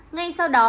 ngay sau đó